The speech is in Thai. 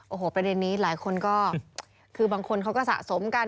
โอ้โหประเด็นนี้หลายคนก็คือบางคนเขาก็สะสมกัน